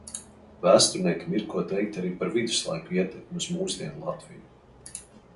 Vēsturniekam ir, ko teikt arī par viduslaiku ietekmi uz mūsdienu Latviju.